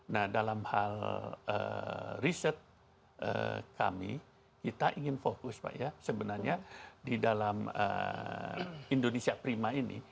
nah dalam hal riset kami kita ingin fokus pak ya sebenarnya di dalam indonesia prima ini